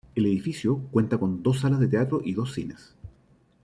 El edificio cuenta con dos salas de teatro y dos cines.